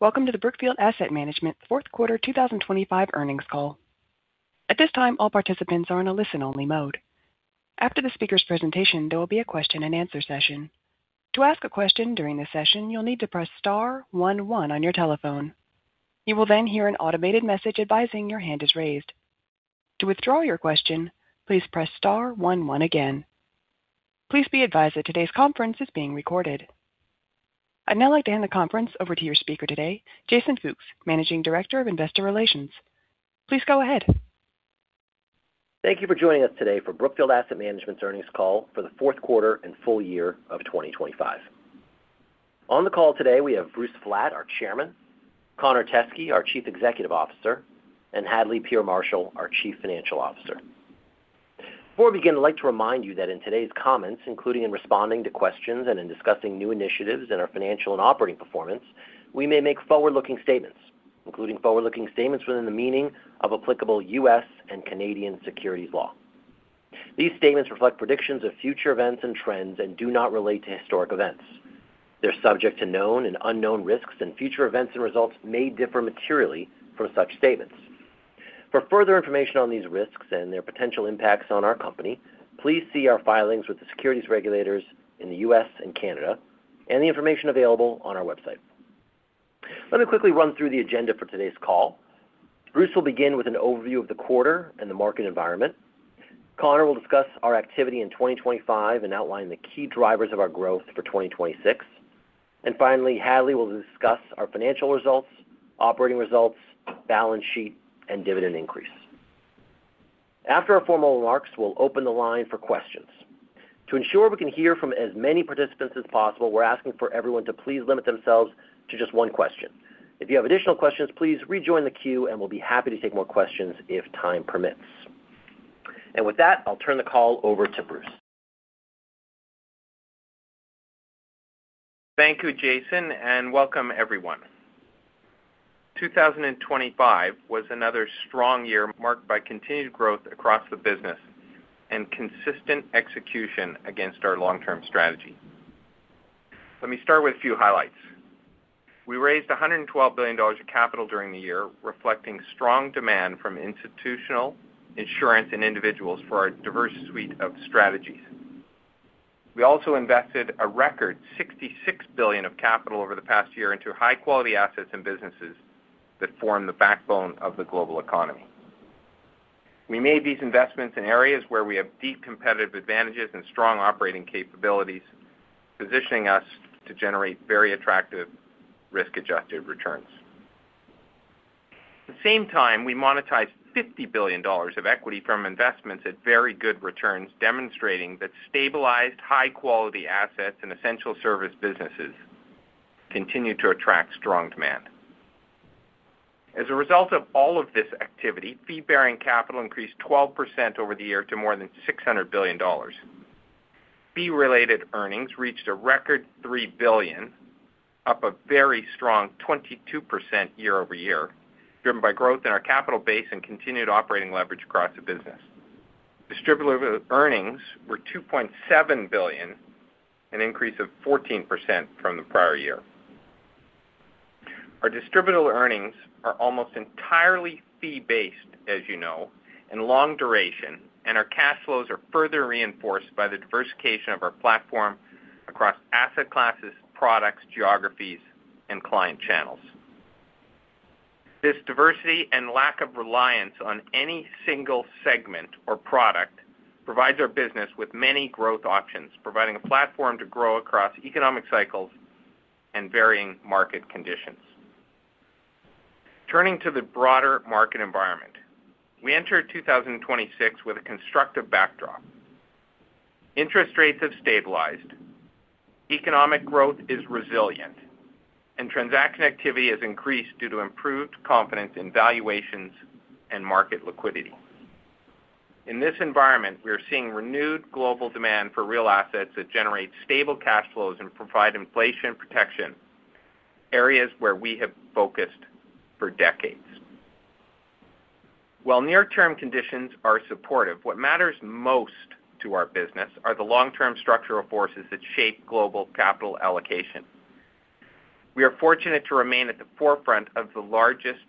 Welcome to the Brookfield Asset Management fourth quarter 2025 earnings call. At this time, all participants are in a listen-only mode. After the speaker's presentation, there will be a question-and-answer session. To ask a question during this session, you'll need to press star one one on your telephone. You will then hear an automated message advising your hand is raised. To withdraw your question, please press star one one again. Please be advised that today's conference is being recorded. I'd now like to hand the conference over to your speaker today, Jason Fuchs, Managing Director of Investor Relations. Please go ahead. Thank you for joining us today for Brookfield Asset Management's earnings call for the fourth quarter and full year of 2025. On the call today, we have Bruce Flatt, our Chairman, Conor Teskey, our Chief Executive Officer, and Hadley Peer Marshall, our Chief Financial Officer. Before we begin, I'd like to remind you that in today's comments, including in responding to questions and in discussing new initiatives and our financial and operating performance, we may make forward-looking statements, including forward-looking statements within the meaning of applicable U.S. and Canadian securities law. These statements reflect predictions of future events and trends and do not relate to historic events. They're subject to known and unknown risks, and future events and results may differ materially from such statements. For further information on these risks and their potential impacts on our company, please see our filings with the securities regulators in the U.S. and Canada, and the information available on our website. Let me quickly run through the agenda for today's call. Bruce will begin with an overview of the quarter and the market environment. Conor will discuss our activity in 2025 and outline the key drivers of our growth for 2026. And finally, Hadley will discuss our financial results, operating results, balance sheet, and dividend increase. After our formal remarks, we'll open the line for questions. To ensure we can hear from as many participants as possible, we're asking for everyone to please limit themselves to just one question. If you have additional questions, please rejoin the queue, and we'll be happy to take more questions if time permits. With that, I'll turn the call over to Bruce. Thank you, Jason, and welcome everyone. 2025 was another strong year marked by continued growth across the business and consistent execution against our long-term strategy. Let me start with a few highlights. We raised $112 billion of capital during the year, reflecting strong demand from institutional, insurance, and individuals for our diverse suite of strategies. We also invested a record $66 billion of capital over the past year into high-quality assets and businesses that form the backbone of the global economy. We made these investments in areas where we have deep competitive advantages and strong operating capabilities, positioning us to generate very attractive risk-adjusted returns. At the same time, we monetized $50 billion of equity from investments at very good returns, demonstrating that stabilized, high-quality assets and essential service businesses continue to attract strong demand. As a result of all of this activity, fee-bearing capital increased 12% over the year to more than $600 billion. Fee-related earnings reached a record $3 billion, up a very strong 22% year-over-year, driven by growth in our capital base and continued operating leverage across the business. Distributable earnings were $2.7 billion, an increase of 14% from the prior year. Our distributable earnings are almost entirely fee-based, as you know, and long duration, and our cash flows are further reinforced by the diversification of our platform across asset classes, products, geographies, and client channels. This diversity and lack of reliance on any single segment or product provides our business with many growth options, providing a platform to grow across economic cycles and varying market conditions. Turning to the broader market environment, we entered 2026 with a constructive backdrop. Interest rates have stabilized, economic growth is resilient, and transaction activity has increased due to improved confidence in valuations and market liquidity. In this environment, we are seeing renewed global demand for real assets that generate stable cash flows and provide inflation protection, areas where we have focused for decades. While near-term conditions are supportive, what matters most to our business are the long-term structural forces that shape global capital allocation. We are fortunate to remain at the forefront of the largest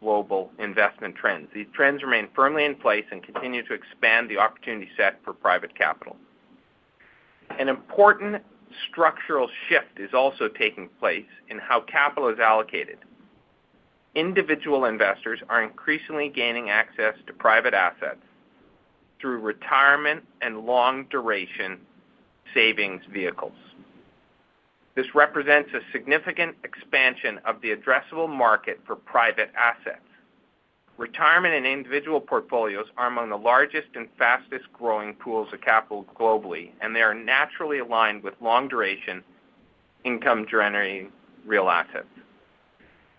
global investment trends. These trends remain firmly in place and continue to expand the opportunity set for private capital. An important structural shift is also taking place in how capital is allocated. Individual investors are increasingly gaining access to private assets through retirement and long-duration savings vehicles. This represents a significant expansion of the addressable market for private assets. Retirement and individual portfolios are among the largest and fastest-growing pools of capital globally, and they are naturally aligned with long-duration, income-generating real assets.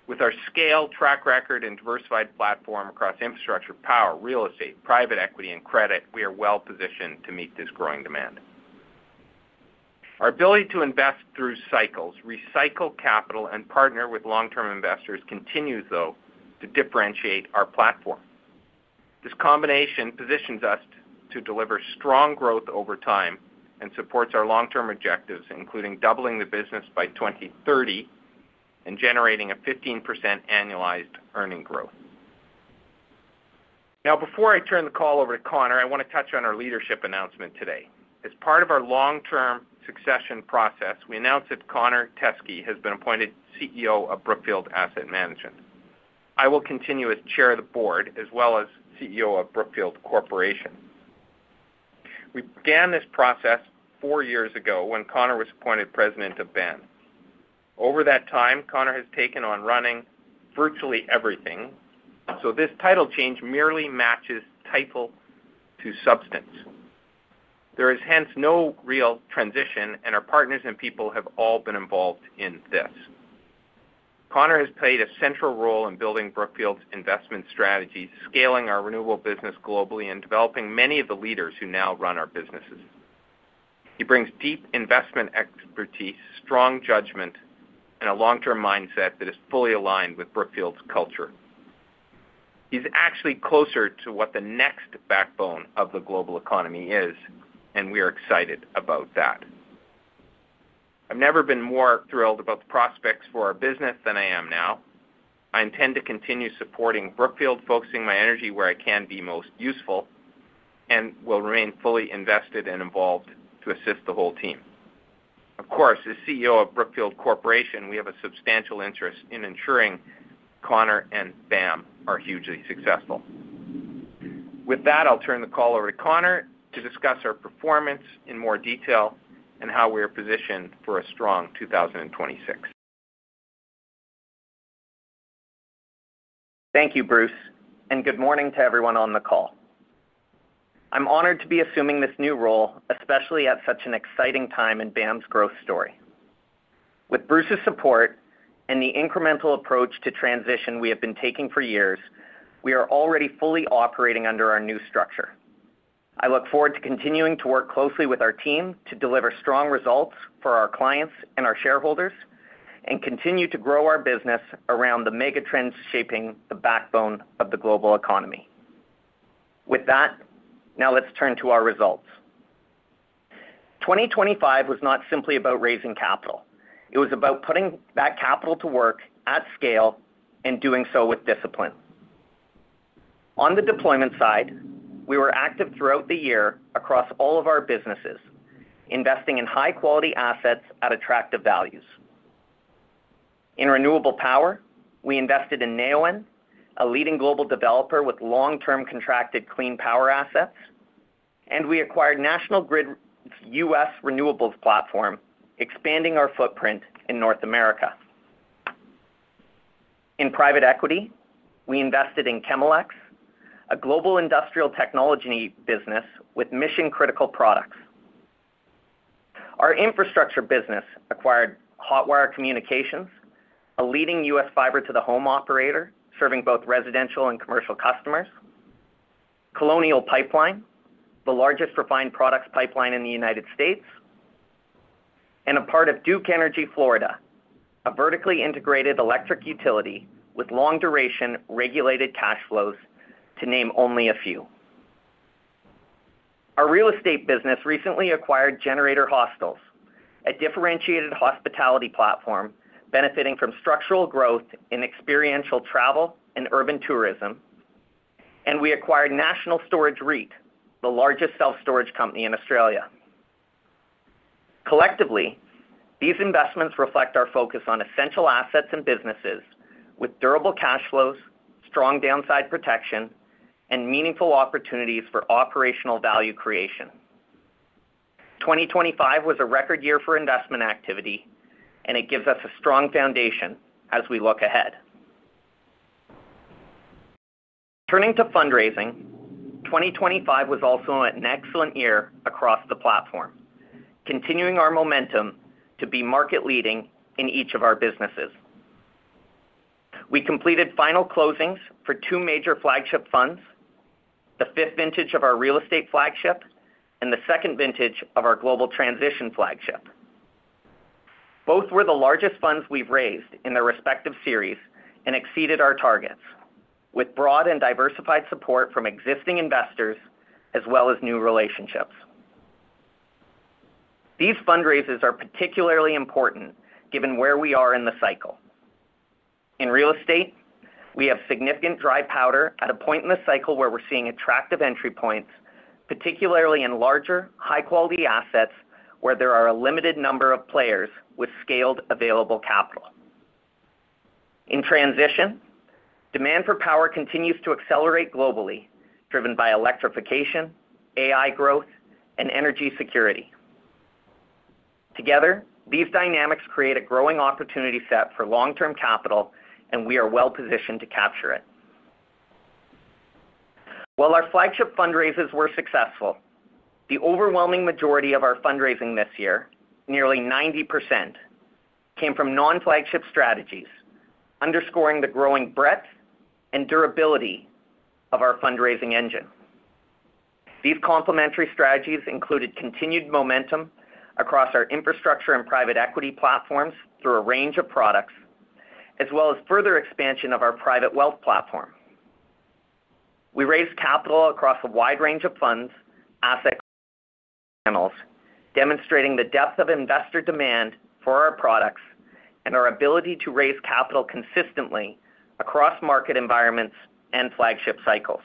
With our scale, track record, and diversified platform across infrastructure, power, real estate, private equity, and credit, we are well positioned to meet this growing demand. Our ability to invest through cycles, recycle capital, and partner with long-term investors continues, though, to differentiate our platform. This combination positions us to deliver strong growth over time and supports our long-term objectives, including doubling the business by 2030 and generating a 15% annualized earnings growth. Now, before I turn the call over to Conor, I want to touch on our leadership announcement today. As part of our long-term succession process, we announced that Conor Teskey has been appointed CEO of Brookfield Asset Management. I will continue as chair of the board as well as CEO of Brookfield Corporation. We began this process four years ago when Conor was appointed president of BAM. Over that time, Conor has taken on running virtually everything, so this title change merely matches title to substance. There is hence no real transition, and our partners and people have all been involved in this. Conor has played a central role in building Brookfield's investment strategy, scaling our renewable business globally, and developing many of the leaders who now run our businesses. He brings deep investment expertise, strong judgment, and a long-term mindset that is fully aligned with Brookfield's culture. He's actually closer to what the next backbone of the global economy is, and we are excited about that. I've never been more thrilled about the prospects for our business than I am now. I intend to continue supporting Brookfield, focusing my energy where I can be most useful, and will remain fully invested and involved to assist the whole team. Of course, as CEO of Brookfield Corporation, we have a substantial interest in ensuring Conor and BAM are hugely successful. With that, I'll turn the call over to Conor to discuss our performance in more detail and how we are positioned for a strong 2026. Thank you, Bruce, and good morning to everyone on the call. I'm honored to be assuming this new role, especially at such an exciting time in BAM's growth story. With Bruce's support and the incremental approach to transition we have been taking for years, we are already fully operating under our new structure. I look forward to continuing to work closely with our team to deliver strong results for our clients and our shareholders, and continue to grow our business around the mega trends shaping the backbone of the global economy. With that, now let's turn to our results. 2025 was not simply about raising capital. It was about putting that capital to work at scale and doing so with discipline. On the deployment side, we were active throughout the year across all of our businesses, investing in high-quality assets at attractive values. In renewable power, we invested in Neoen, a leading global developer with long-term contracted clean power assets, and we acquired National Grid's US renewables platform, expanding our footprint in North America. In private equity, we invested in Chemelex, a global industrial technology business with mission-critical products. Our infrastructure business acquired Hotwire Communications, a leading US fiber to the home operator, serving both residential and commercial customers. Colonial Pipeline, the largest refined products pipeline in the United States, and a part of Duke Energy Florida, a vertically integrated electric utility with long duration, regulated cash flows, to name only a few. Our real estate business recently acquired Generator Hostels, a differentiated hospitality platform benefiting from structural growth in experiential travel and urban tourism, and we acquired National Storage REIT, the largest self-storage company in Australia. Collectively, these investments reflect our focus on essential assets and businesses with durable cash flows, strong downside protection, and meaningful opportunities for operational value creation. 2025 was a record year for investment activity, and it gives us a strong foundation as we look ahead. Turning to fundraising, 2025 was also an excellent year across the platform, continuing our momentum to be market leading in each of our businesses. We completed final closings for two major flagship funds, the fifth vintage of our Real Estate Flagship, and the second vintage of our Global Transition Flagship. Both were the largest funds we've raised in their respective series and exceeded our targets, with broad and diversified support from existing investors as well as new relationships. These fundraisers are particularly important given where we are in the cycle. In real estate, we have significant dry powder at a point in the cycle where we're seeing attractive entry points, particularly in larger, high-quality assets, where there are a limited number of players with scaled available capital. In transition, demand for power continues to accelerate globally, driven by electrification, AI growth, and energy security. Together, these dynamics create a growing opportunity set for long-term capital, and we are well positioned to capture it. While our flagship fundraisers were successful, the overwhelming majority of our fundraising this year, nearly 90%, came from non-flagship strategies, underscoring the growing breadth and durability of our fundraising engine. These complementary strategies included continued momentum across our infrastructure and private equity platforms through a range of products, as well as further expansion of our private wealth platform. We raised capital across a wide range of funds, assets, demonstrating the depth of investor demand for our products and our ability to raise capital consistently across market environments and flagship cycles.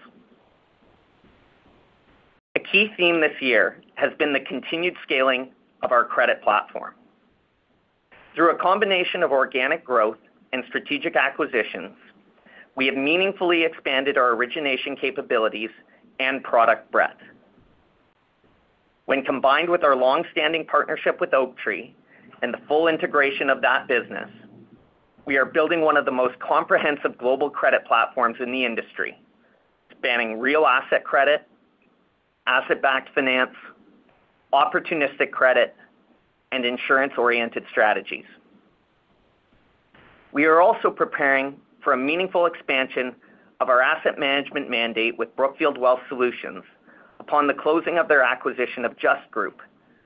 A key theme this year has been the continued scaling of our credit platform. Through a combination of organic growth and strategic acquisitions, we have meaningfully expanded our origination capabilities and product breadth. When combined with our long-standing partnership with Oaktree and the full integration of that business, we are building one of the most comprehensive global credit platforms in the industry, spanning real asset credit, asset-backed finance, opportunistic credit, and insurance-oriented strategies. We are also preparing for a meaningful expansion of our asset management mandate with Brookfield Wealth Solutions upon the closing of their acquisition of Just Group,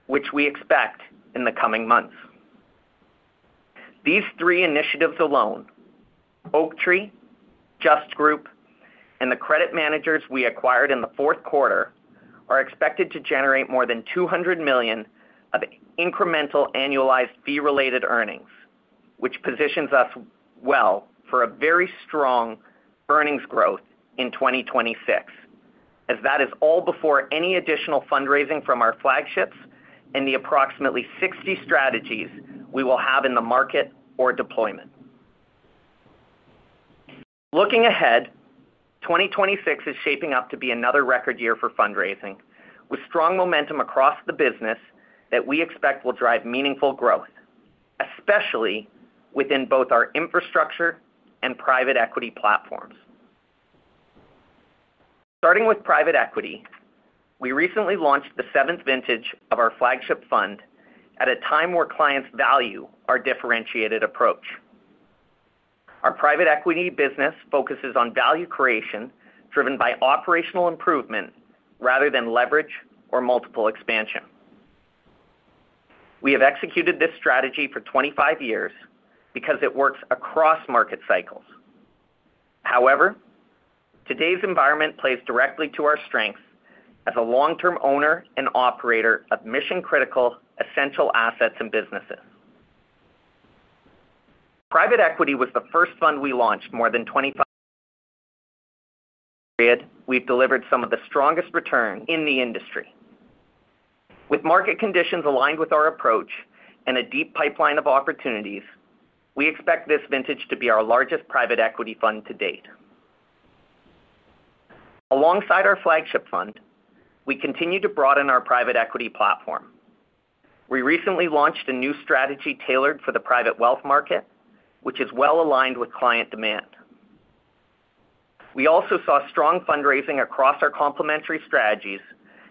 which we expect in the coming months. These three initiatives alone, Oaktree, Just Group, and the credit managers we acquired in the fourth quarter, are expected to generate more than $200 million of incremental annualized fee-related earnings, which positions us well for a very strong earnings growth in 2026, as that is all before any additional fundraising from our flagships and the approximately 60 strategies we will have in the market or deployment. Looking ahead, 2026 is shaping up to be another record year for fundraising, with strong momentum across the business that we expect will drive meaningful growth, especially within both our infrastructure and private equity platforms. Starting with private equity, we recently launched the 7th vintage of our flagship fund at a time where clients value our differentiated approach. Our private equity business focuses on value creation driven by operational improvement rather than leverage or multiple expansion. We have executed this strategy for 25 years because it works across market cycles. However, today's environment plays directly to our strengths as a long-term owner and operator of mission-critical, essential assets and businesses. Private equity was the first fund we launched more than 25-year period. We've delivered some of the strongest returns in the industry. With market conditions aligned with our approach and a deep pipeline of opportunities, we expect this vintage to be our largest private equity fund to date. Alongside our flagship fund, we continue to broaden our private equity platform. We recently launched a new strategy tailored for the private wealth market, which is well aligned with client demand. We also saw strong fundraising across our complementary strategies,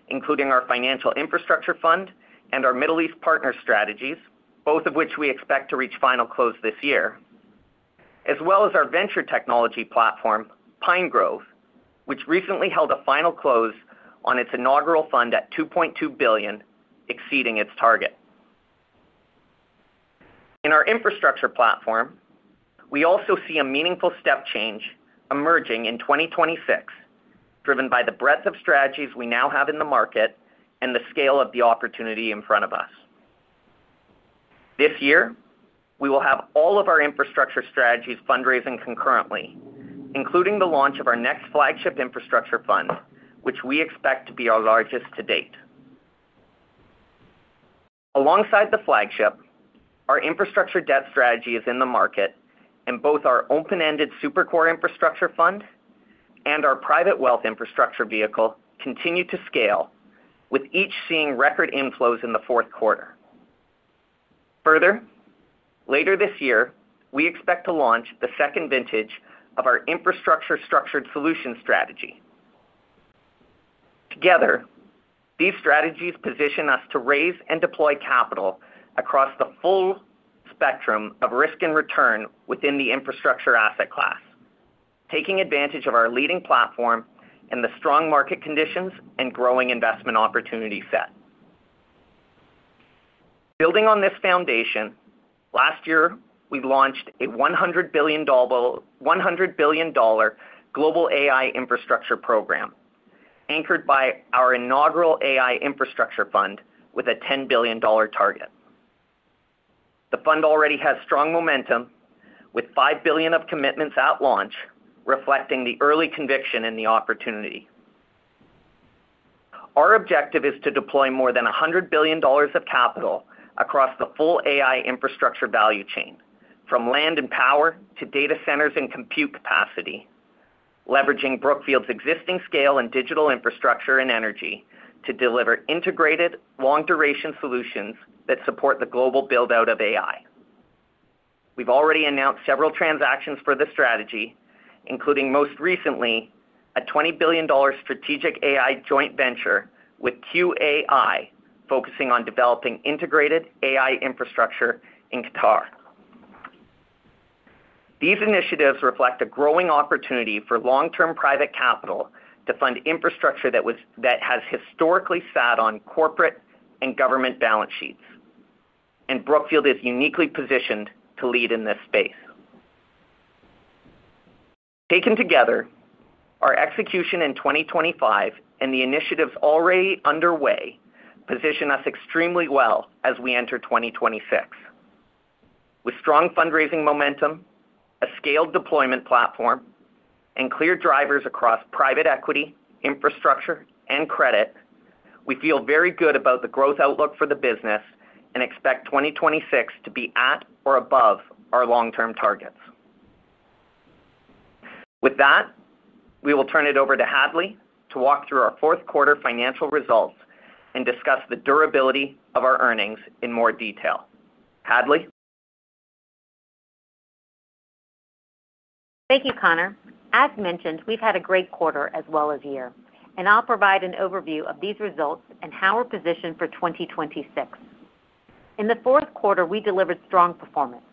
including our Financial Infrastructure Fund and our Middle East partner strategies, both of which we expect to reach final close this year, as well as our venture technology platform, Pinegrove, which recently held a final close on its inaugural fund at $2.2 billion, exceeding its target. In our infrastructure platform, we also see a meaningful step change emerging in 2026, driven by the breadth of strategies we now have in the market and the scale of the opportunity in front of us. This year, we will have all of our infrastructure strategies fundraising concurrently, including the launch of our next flagship infrastructure fund, which we expect to be our largest to date. Alongside the flagship, our infrastructure debt strategy is in the market, and both our open-ended Super-Core infrastructure fund and our private wealth infrastructure vehicle continue to scale, with each seeing record inflows in the fourth quarter. Further, later this year, we expect to launch the second vintage of our infrastructure structured solutions strategy. Together, these strategies position us to raise and deploy capital across the full spectrum of risk and return within the infrastructure asset class, taking advantage of our leading platform and the strong market conditions and growing investment opportunity set. Building on this foundation, last year, we launched a $100 billion global AI infrastructure program, anchored by our inaugural AI Infrastructure Fund with a $10 billion target. The fund already has strong momentum, with $5 billion of commitments at launch, reflecting the early conviction in the opportunity. Our objective is to deploy more than $100 billion of capital across the full AI infrastructure value chain, from land and power to data centers and compute capacity, leveraging Brookfield's existing scale in digital infrastructure and energy to deliver integrated, long-duration solutions that support the global build-out of AI. We've already announced several transactions for this strategy, including, most recently, a $20 billion strategic AI joint venture with QIA, focusing on developing integrated AI infrastructure in Qatar.... These initiatives reflect a growing opportunity for long-term private capital to fund infrastructure that has historically sat on corporate and government balance sheets, and Brookfield is uniquely positioned to lead in this space. Taken together, our execution in 2025 and the initiatives already underway position us extremely well as we enter 2026. With strong fundraising momentum, a scaled deployment platform, and clear drivers across private equity, infrastructure, and credit, we feel very good about the growth outlook for the business and expect 2026 to be at or above our long-term targets. With that, we will turn it over to Hadley to walk through our fourth quarter financial results and discuss the durability of our earnings in more detail. Hadley? Thank you, Conor. As mentioned, we've had a great quarter as well as year, and I'll provide an overview of these results and how we're positioned for 2026. In the fourth quarter, we delivered strong performance.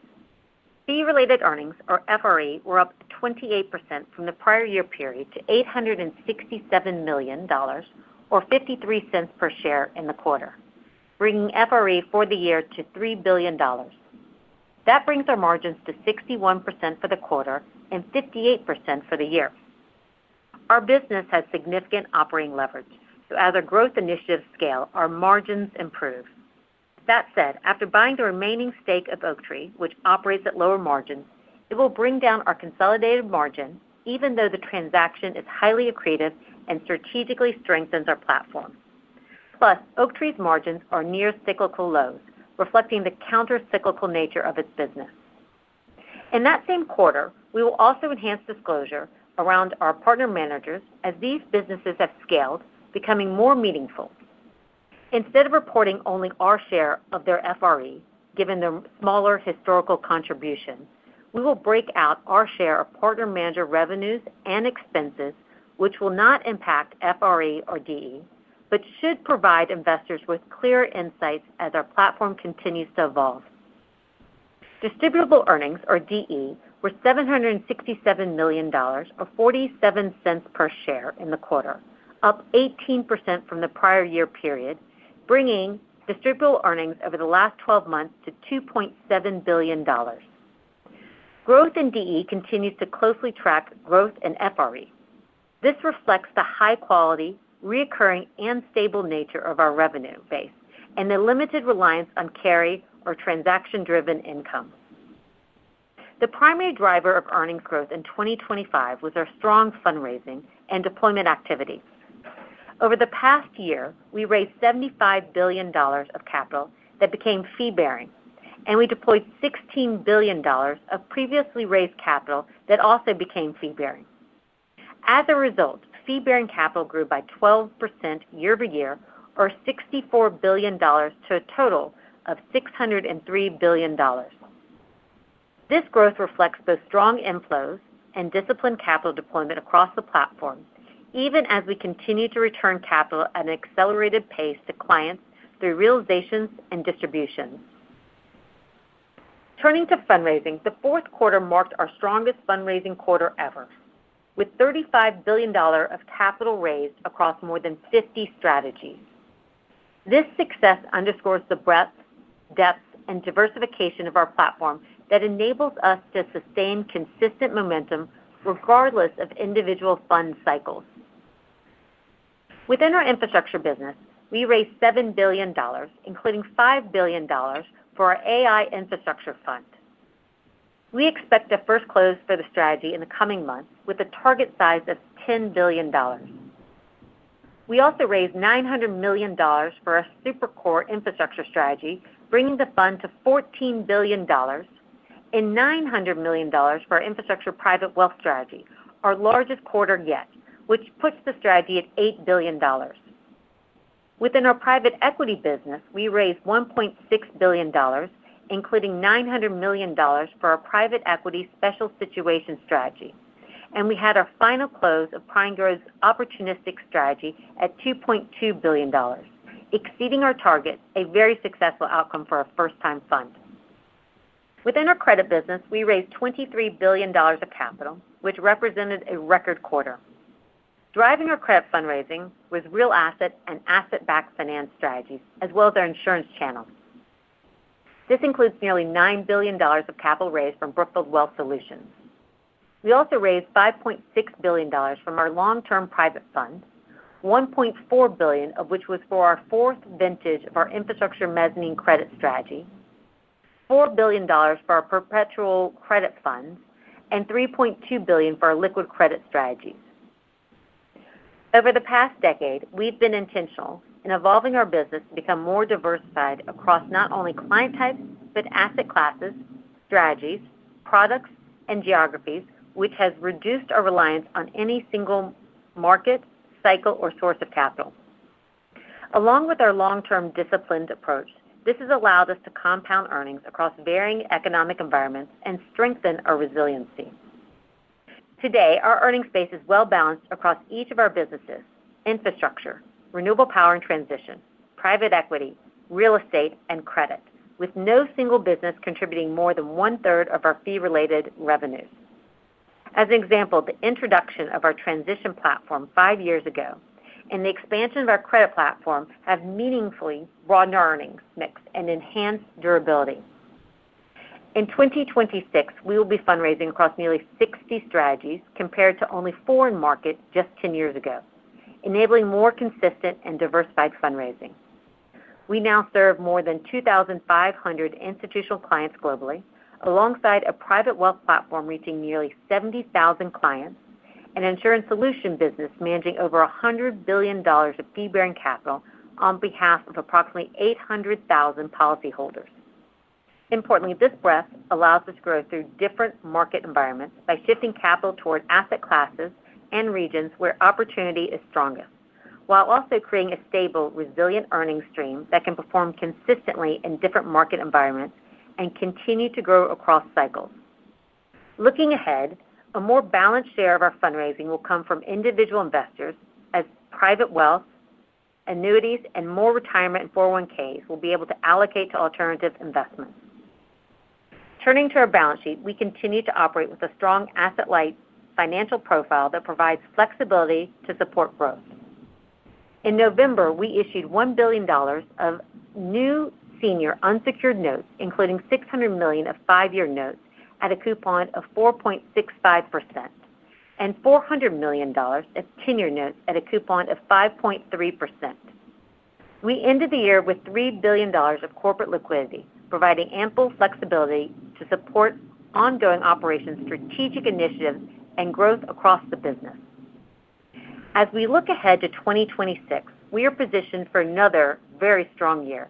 Fee-related earnings, or FRE, were up 28% from the prior year period to $867 million, or $0.53 per share in the quarter, bringing FRE for the year to $3 billion. That brings our margins to 61% for the quarter and 58% for the year. Our business has significant operating leverage, so as our growth initiatives scale, our margins improve. That said, after buying the remaining stake of Oaktree, which operates at lower margins, it will bring down our consolidated margin, even though the transaction is highly accretive and strategically strengthens our platform. Plus, Oaktree's margins are near cyclical lows, reflecting the countercyclical nature of its business. In that same quarter, we will also enhance disclosure around our partner managers as these businesses have scaled, becoming more meaningful. Instead of reporting only our share of their FRE, given their smaller historical contribution, we will break out our share of partner manager revenues and expenses, which will not impact FRE or DE, but should provide investors with clearer insights as our platform continues to evolve. Distributable earnings, or DE, were $767 million, or 47 cents per share in the quarter, up 18% from the prior year period, bringing distributable earnings over the last twelve months to $2.7 billion. Growth in DE continues to closely track growth in FRE. This reflects the high quality, recurring, and stable nature of our revenue base and the limited reliance on carry or transaction-driven income. The primary driver of earnings growth in 2025 was our strong fundraising and deployment activity. Over the past year, we raised $75 billion of capital that became fee-bearing, and we deployed $16 billion of previously raised capital that also became fee-bearing. As a result, fee-bearing capital grew by 12% year-over-year, or $64 billion, to a total of $603 billion. This growth reflects both strong inflows and disciplined capital deployment across the platform, even as we continue to return capital at an accelerated pace to clients through realizations and distributions. Turning to fundraising, the fourth quarter marked our strongest fundraising quarter ever, with $35 billion of capital raised across more than 50 strategies. This success underscores the breadth, depth, and diversification of our platform that enables us to sustain consistent momentum regardless of individual fund cycles. Within our infrastructure business, we raised $7 billion, including $5 billion for our AI Infrastructure Fund. We expect a first close for the strategy in the coming months with a target size of $10 billion. We also raised $900 million for our Super-Core infrastructure strategy, bringing the fund to $14 billion, and $900 million for our infrastructure private wealth strategy, our largest quarter yet, which puts the strategy at $8 billion. Within our private equity business, we raised $1.6 billion, including $900 million for our private equity special situation strategy, and we had our final close of Pinegrove's opportunistic strategy at $2.2 billion, exceeding our target, a very successful outcome for our first-time fund. Within our credit business, we raised $23 billion of capital, which represented a record quarter. Driving our credit fundraising was real asset and asset-backed finance strategies, as well as our insurance channel. This includes nearly $9 billion of capital raised from Brookfield Wealth Solutions. We also raised $5.6 billion from our long-term private funds, $1.4 billion of which was for our fourth vintage of our infrastructure mezzanine credit strategy, $4 billion for our perpetual credit funds, and $3.2 billion for our liquid credit strategies. Over the past decade, we've been intentional in evolving our business to become more diversified across not only client types, but asset classes, strategies, products, and geographies, which has reduced our reliance on any single market, cycle, or source of capital. Along with our long-term disciplined approach, this has allowed us to compound earnings across varying economic environments and strengthen our resiliency. Today, our earnings base is well balanced across each of our businesses, infrastructure, renewable power and transition, private equity, real estate, and credit, with no single business contributing more than one-third of our fee-related revenues. As an example, the introduction of our transition platform five years ago and the expansion of our credit platform have meaningfully broadened our earnings mix and enhanced durability. In 2026, we will be fundraising across nearly 60 strategies compared to only 4 in market just 10 years ago, enabling more consistent and diversified fundraising. We now serve more than 2,500 institutional clients globally, alongside a private wealth platform reaching nearly 70,000 clients, an insurance solution business managing over $100 billion of fee-bearing capital on behalf of approximately 800,000 policyholders. Importantly, this breadth allows us to grow through different market environments by shifting capital toward asset classes and regions where opportunity is strongest, while also creating a stable, resilient earnings stream that can perform consistently in different market environments and continue to grow across cycles. Looking ahead, a more balanced share of our fundraising will come from individual investors as private wealth, annuities, and more retirement in 401(k)s will be able to allocate to alternative investments. Turning to our balance sheet, we continue to operate with a strong asset-light financial profile that provides flexibility to support growth. In November, we issued $1 billion of new senior unsecured notes, including $600 million of 5-year notes at a coupon of 4.65%, and $400 million of ten-year notes at a coupon of 5.3%. We ended the year with $3 billion of corporate liquidity, providing ample flexibility to support ongoing operations, strategic initiatives, and growth across the business. As we look ahead to 2026, we are positioned for another very strong year,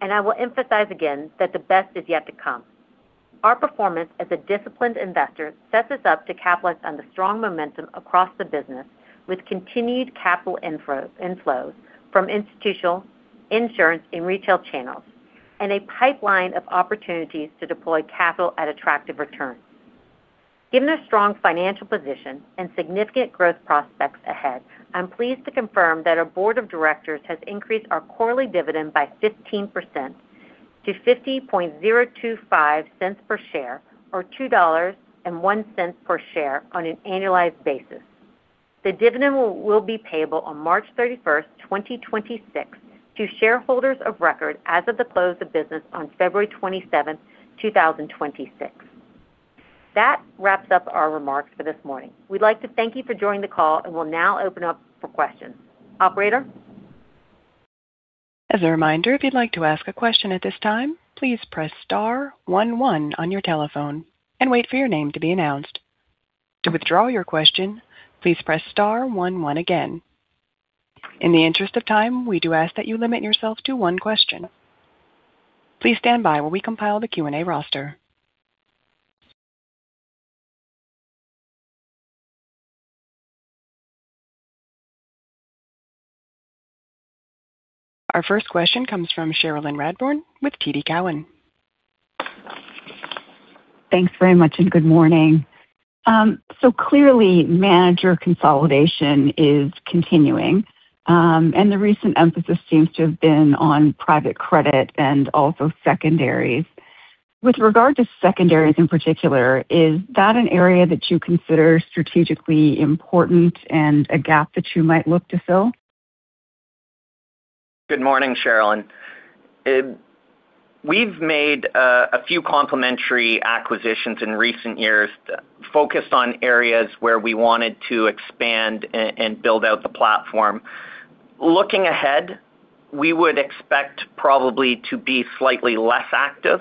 and I will emphasize again that the best is yet to come. Our performance as a disciplined investor sets us up to capitalize on the strong momentum across the business, with continued capital inflows, inflows from institutional, insurance, and retail channels, and a pipeline of opportunities to deploy capital at attractive returns. Given our strong financial position and significant growth prospects ahead, I'm pleased to confirm that our board of directors has increased our quarterly dividend by 15% to $0.50025 per share, or $2.01 per share on an annualized basis. The dividend will be payable on March thirty-first, 2026, to shareholders of record as of the close of business on February twenty-seventh, 2026. That wraps up our remarks for this morning. We'd like to thank you for joining the call, and we'll now open up for questions. Operator? As a reminder, if you'd like to ask a question at this time, please press star one one on your telephone and wait for your name to be announced. To withdraw your question, please press star one one again. In the interest of time, we do ask that you limit yourself to one question. Please stand by while we compile the Q&A roster. Our first question comes from Cherilyn Radbourne with TD Cowen. Thanks very much, and good morning. Clearly, manager consolidation is continuing, and the recent emphasis seems to have been on private credit and also secondaries. With regard to secondaries in particular, is that an area that you consider strategically important and a gap that you might look to fill? Good morning, Cherilyn. We've made a few complementary acquisitions in recent years, focused on areas where we wanted to expand and build out the platform. Looking ahead, we would expect probably to be slightly less active,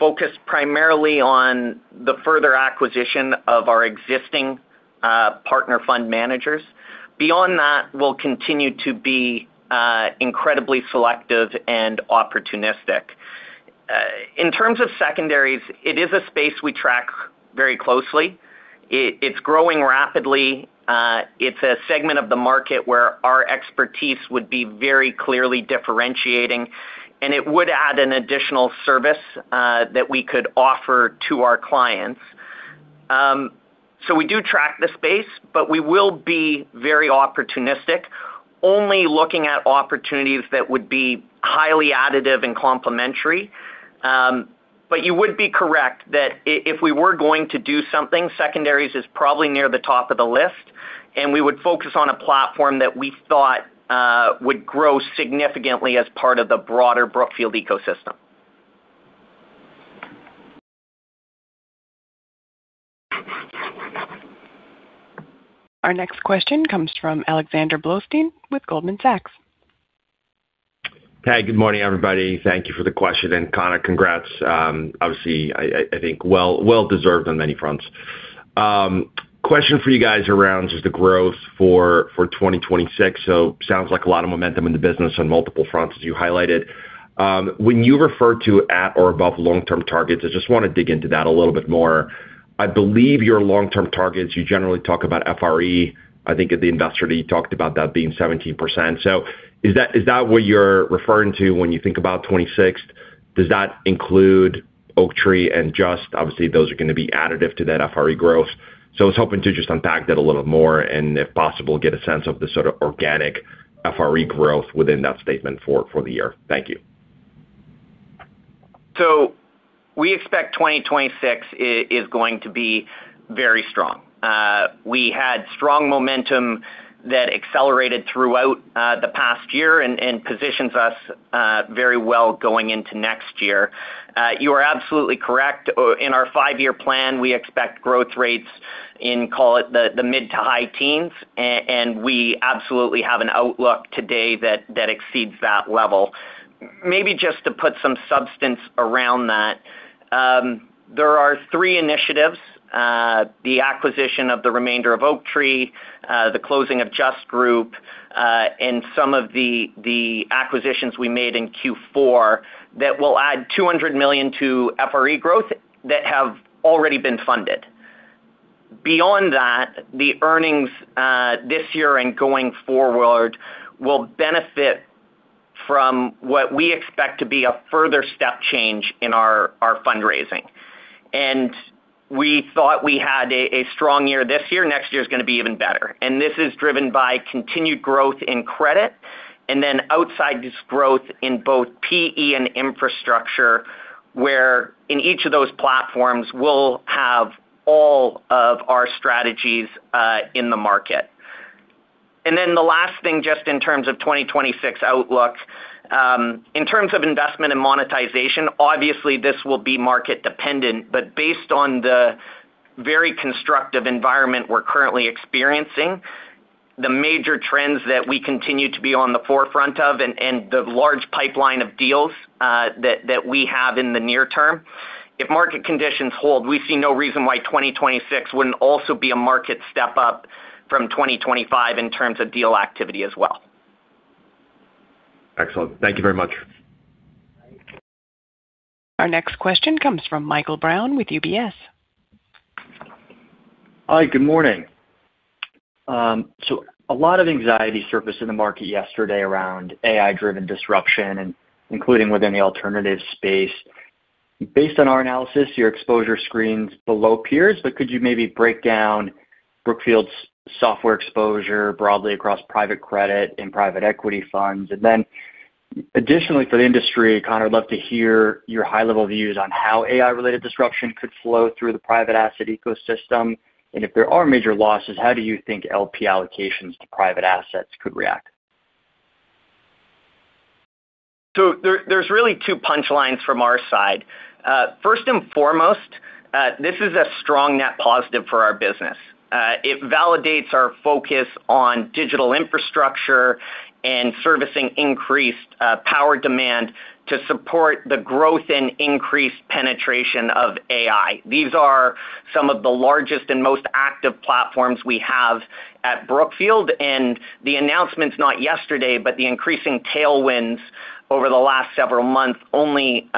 focused primarily on the further acquisition of our existing partner fund managers. Beyond that, we'll continue to be incredibly selective and opportunistic. In terms of secondaries, it is a space we track very closely. It's growing rapidly. It's a segment of the market where our expertise would be very clearly differentiating, and it would add an additional service that we could offer to our clients. So we do track the space, but we will be very opportunistic, only looking at opportunities that would be highly additive and complementary. But you would be correct that if we were going to do something, secondaries is probably near the top of the list, and we would focus on a platform that we thought would grow significantly as part of the broader Brookfield ecosystem. Our next question comes from Alexander Blostein with Goldman Sachs. Hi, good morning, everybody. Thank you for the question, and Conor, congrats. Obviously, I think well-deserved on many fronts. Question for you guys around just the growth for 2026. So sounds like a lot of momentum in the business on multiple fronts, as you highlighted. When you refer to at or above long-term targets, I just want to dig into that a little bit more. ... I believe your long-term targets, you generally talk about FRE. I think at the investor, you talked about that being 17%. So is that, is that what you're referring to when you think about 26? Does that include Oaktree and just obviously, those are going to be additive to that FRE growth. So I was hoping to just unpack that a little more, and if possible, get a sense of the sort of organic FRE growth within that statement for the year. Thank you. So we expect 2026 is going to be very strong. We had strong momentum that accelerated throughout the past year and positions us very well going into next year. You are absolutely correct. In our five-year plan, we expect growth rates in, call it, the mid- to high teens, and we absolutely have an outlook today that exceeds that level. Maybe just to put some substance around that, there are three initiatives, the acquisition of the remainder of Oaktree, the closing of Just Group, and some of the acquisitions we made in Q4 that will add $200 million to FRE growth that have already been funded. Beyond that, the earnings this year and going forward will benefit from what we expect to be a further step change in our fundraising. We thought we had a strong year this year. Next year is going to be even better. This is driven by continued growth in credit, and then outside this growth in both PE and infrastructure, where in each of those platforms, we'll have all of our strategies in the market. The last thing, just in terms of 2026 outlook, in terms of investment and monetization, obviously, this will be market dependent, but based on the very constructive environment we're currently experiencing, the major trends that we continue to be on the forefront of and the large pipeline of deals that we have in the near term, if market conditions hold, we see no reason why 2026 wouldn't also be a market step up from 2025 in terms of deal activity as well. Excellent. Thank you very much. Our next question comes from Michael Brown with UBS. Hi, good morning. So a lot of anxiety surfaced in the market yesterday around AI-driven disruption and including within the alternative space. Based on our analysis, your exposure screen's below peers, but could you maybe break down Brookfield's software exposure broadly across private credit and private equity funds? And then additionally, for the industry, kind of love to hear your high-level views on how AI-related disruption could flow through the private asset ecosystem, and if there are major losses, how do you think LP allocations to private assets could react? So there, there's really two punchlines from our side. First and foremost, this is a strong net positive for our business. It validates our focus on digital infrastructure and servicing increased power demand to support the growth and increased penetration of AI. These are some of the largest and most active platforms we have at Brookfield, and the announcements, not yesterday, but the increasing tailwinds over the last several months only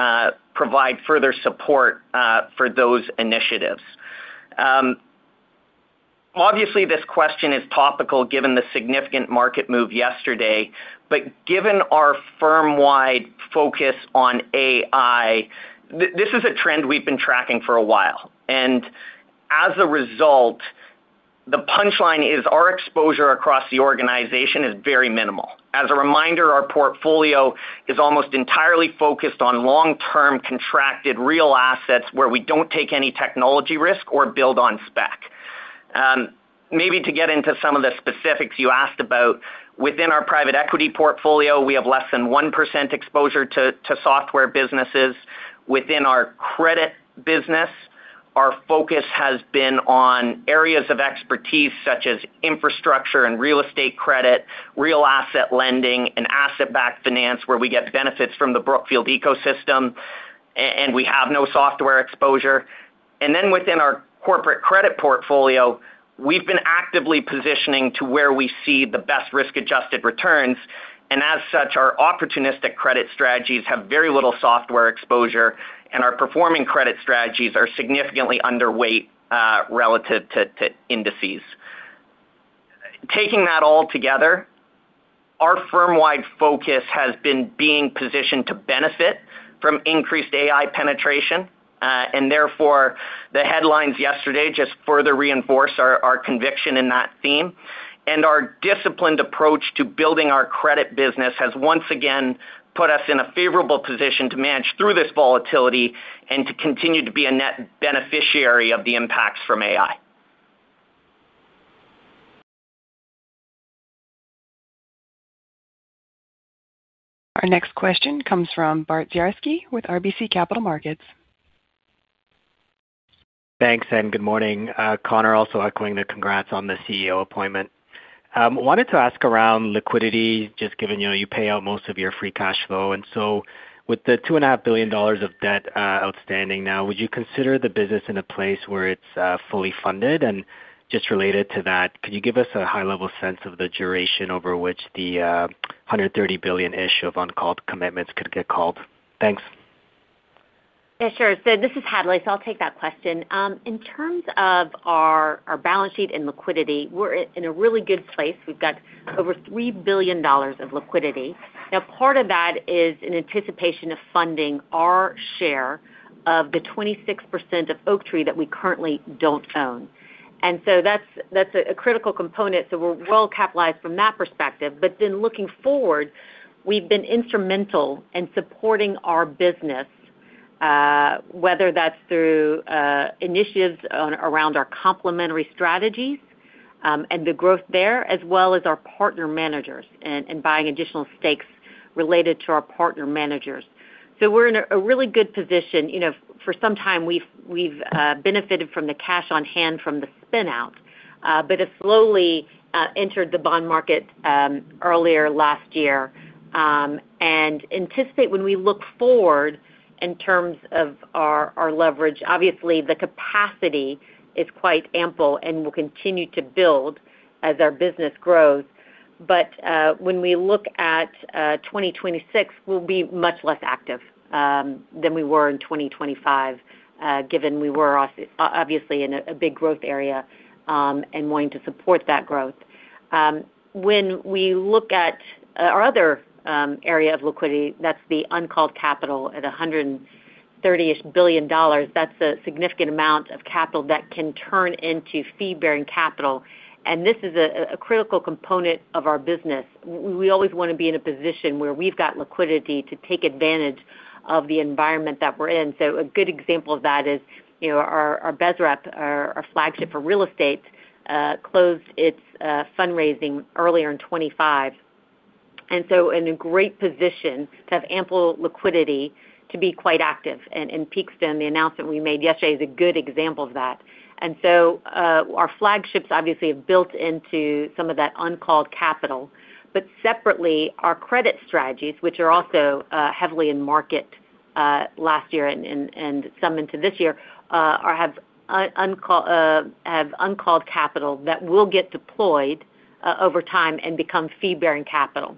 provide further support for those initiatives. Obviously, this question is topical given the significant market move yesterday, but given our firm-wide focus on AI, this is a trend we've been tracking for a while, and as a result, the punchline is our exposure across the organization is very minimal. As a reminder, our portfolio is almost entirely focused on long-term contracted real assets, where we don't take any technology risk or build on spec. Maybe to get into some of the specifics you asked about, within our private equity portfolio, we have less than 1% exposure to software businesses. Within our credit business, our focus has been on areas of expertise such as infrastructure and real estate credit, real asset lending, and asset-backed finance, where we get benefits from the Brookfield ecosystem, and we have no software exposure. And then within our corporate credit portfolio, we've been actively positioning to where we see the best risk-adjusted returns, and as such, our opportunistic credit strategies have very little software exposure, and our performing credit strategies are significantly underweight relative to indices. Taking that all together, our firm-wide focus has been being positioned to benefit from increased AI penetration, and therefore, the headlines yesterday just further reinforce our conviction in that theme. Our disciplined approach to building our credit business has once again put us in a favorable position to manage through this volatility and to continue to be a net beneficiary of the impacts from AI. Our next question comes from Bart Dziarski with RBC Capital Markets. Thanks, and good morning. Conor, also echoing the congrats on the CEO appointment. Wanted to ask around liquidity, just given, you know, you pay out most of your free cash flow. And so with the $2.5 billion of debt outstanding now, would you consider the business in a place where it's fully funded? And just related to that, could you give us a high-level sense of the duration over which the $130 billion issue of uncalled commitments could get called?... Thanks. Yeah, sure. So this is Hadley, so I'll take that question. In terms of our, our balance sheet and liquidity, we're in a really good place. We've got over $3 billion of liquidity. Now, part of that is in anticipation of funding our share of the 26% of Oaktree that we currently don't own. And so that's, that's a, a critical component, so we're well-capitalized from that perspective. But then looking forward, we've been instrumental in supporting our business, whether that's through initiatives on around our complementary strategies, and the growth there, as well as our partner managers and, and buying additional stakes related to our partner managers. So we're in a, a really good position. You know, for some time, we've benefited from the cash on hand from the spin out, but have slowly entered the bond market earlier last year. And anticipate when we look forward in terms of our leverage, obviously the capacity is quite ample and will continue to build as our business grows. But when we look at 2026, we'll be much less active than we were in 2025, given we were obviously in a big growth area and wanting to support that growth. When we look at our other area of liquidity, that's the uncalled capital at $130-ish billion, that's a significant amount of capital that can turn into fee-bearing capital, and this is a critical component of our business. We always wanna be in a position where we've got liquidity to take advantage of the environment that we're in. So a good example of that is, you know, our BSREP, our flagship for real estate closed its fundraising earlier in 2025. And so in a great position to have ample liquidity to be quite active. And in Peakstream, the announcement we made yesterday is a good example of that. And so our flagships obviously have built into some of that uncalled capital, but separately, our credit strategies, which are also heavily in market last year and some into this year, have uncalled capital that will get deployed over time and become fee-bearing capital.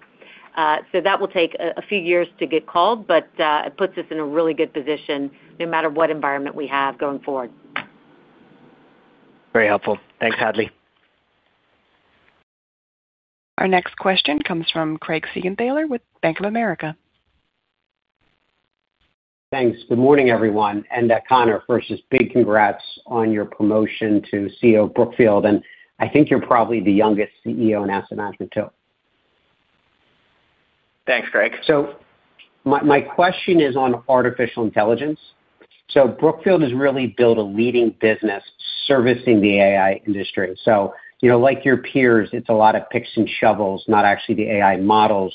So that will take a few years to get called, but it puts us in a really good position, no matter what environment we have going forward. Very helpful. Thanks, Hadley. Our next question comes from Craig Siegenthaler with Bank of America. Thanks. Good morning, everyone, and, Conor, first, just big congrats on your promotion to CEO of Brookfield, and I think you're probably the youngest CEO in asset management, too. Thanks, Craig. So my question is on artificial intelligence. So Brookfield has really built a leading business servicing the AI industry. So, you know, like your peers, it's a lot of picks and shovels, not actually the AI models.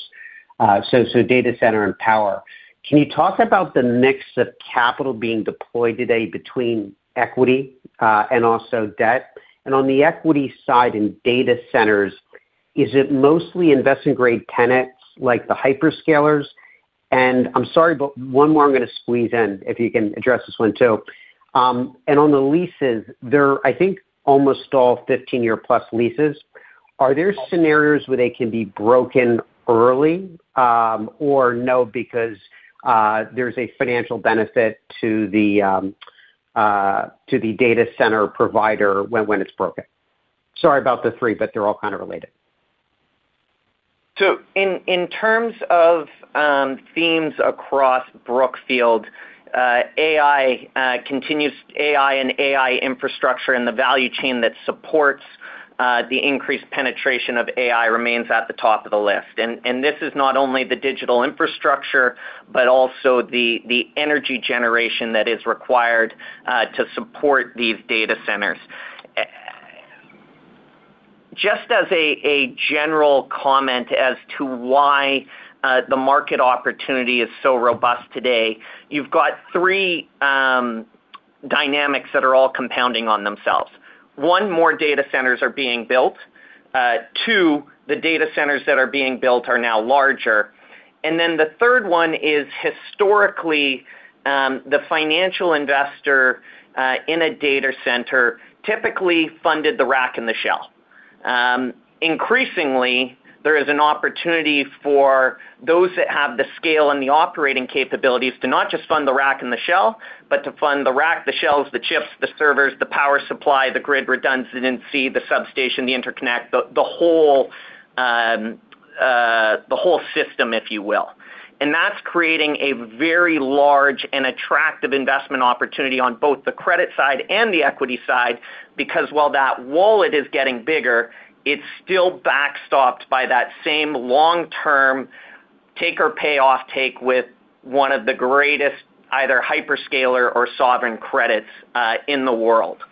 So data center and power. Can you talk about the mix of capital being deployed today between equity, and also debt? And on the equity side in data centers, is it mostly investment-grade tenants like the hyperscalers? And I'm sorry, but one more I'm gonna squeeze in, if you can address this one, too. And on the leases, they're, I think, almost all 15-year plus leases. Are there scenarios where they can be broken early, or no, because, there's a financial benefit to the, to the data center provider when it's broken? Sorry about the three, but they're all kind of related. So in terms of themes across Brookfield, AI continues AI and AI infrastructure, and the value chain that supports the increased penetration of AI remains at the top of the list. And this is not only the digital infrastructure, but also the energy generation that is required to support these data centers. Just as a general comment as to why the market opportunity is so robust today, you've got three dynamics that are all compounding on themselves. One, more data centers are being built. Two, the data centers that are being built are now larger. And then the third one is, historically, the financial investor in a data center typically funded the rack and the shell. Increasingly, there is an opportunity for those that have the scale and the operating capabilities to not just fund the rack and the shell, but to fund the rack, the shelves, the chips, the servers, the power supply, the grid redundancy, the substation, the interconnect, the whole system, if you will. And that's creating a very large and attractive investment opportunity on both the credit side and the equity side, because while that wallet is getting bigger, it's still backstopped by that same long-term take or pay off take with one of the greatest, either hyperscaler or sovereign credits in the world.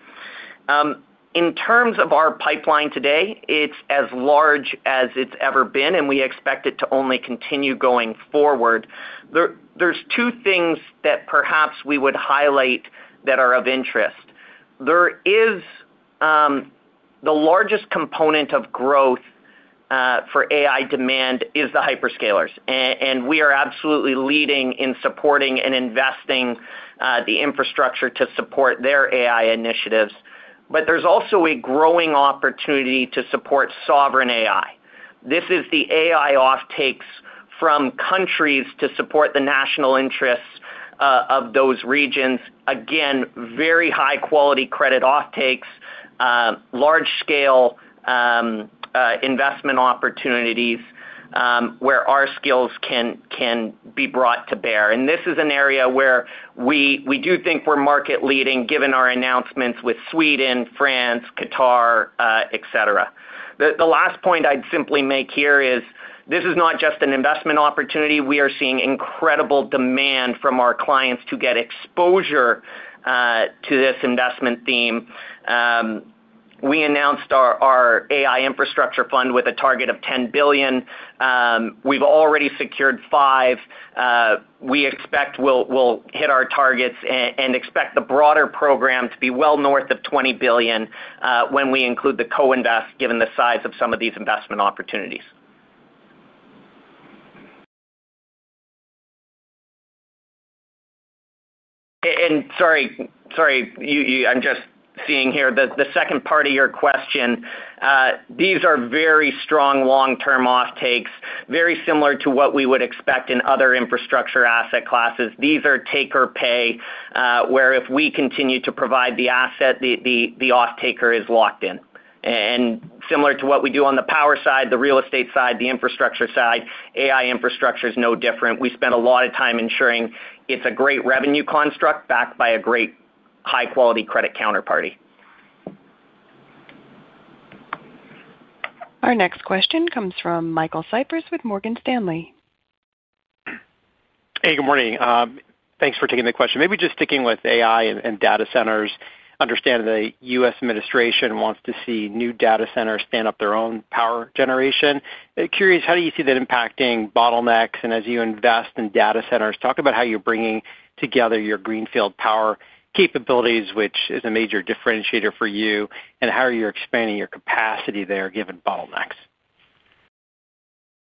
In terms of our pipeline today, it's as large as it's ever been, and we expect it to only continue going forward. There's two things that perhaps we would highlight that are of interest. There is the largest component of growth for AI demand is the hyperscalers, and we are absolutely leading in supporting and investing the infrastructure to support their AI initiatives. But there's also a growing opportunity to support sovereign AI. This is the AI offtakes from countries to support the national interests of those regions. Again, very high-quality credit offtakes, large-scale investment opportunities where our skills can be brought to bear. And this is an area where we do think we're market-leading, given our announcements with Sweden, France, Qatar, et cetera. The last point I'd simply make here is, this is not just an investment opportunity. We are seeing incredible demand from our clients to get exposure to this investment theme. We announced our AI Infrastructure Fund with a target of $10 billion. We've already secured five. We expect we'll, we'll hit our targets and expect the broader program to be well north of $20 billion, when we include the co-invest, given the size of some of these investment opportunities. And sorry, sorry, you, you-- I'm just seeing here the second part of your question. These are very strong long-term offtakes, very similar to what we would expect in other infrastructure asset classes. These are take or pay, where if we continue to provide the asset, the offtaker is locked in. And similar to what we do on the power side, the real estate side, the infrastructure side, AI infrastructure is no different. We spend a lot of time ensuring it's a great revenue construct backed by a great high-quality credit counterparty. Our next question comes from Michael Cyprys with Morgan Stanley. Hey, good morning. Thanks for taking the question. Maybe just sticking with AI and data centers, understand the U.S. administration wants to see new data centers stand up their own power generation. Curious, how do you see that impacting bottlenecks? And as you invest in data centers, talk about how you're bringing together your greenfield power capabilities, which is a major differentiator for you, and how you're expanding your capacity there, given bottlenecks.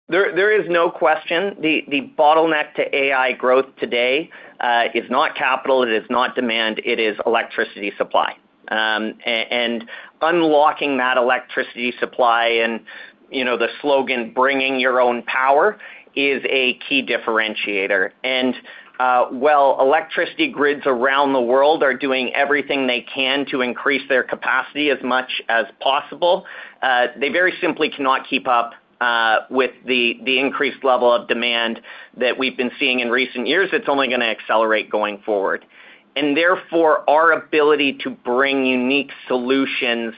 There is no question the bottleneck to AI growth today is not capital, it is not demand, it is electricity supply. And unlocking that electricity supply and, you know, the slogan, bringing your own power, is a key differentiator. And while electricity grids around the world are doing everything they can to increase their capacity as much as possible, they very simply cannot keep up with the increased level of demand that we've been seeing in recent years. It's only gonna accelerate going forward. And therefore, our ability to bring unique solutions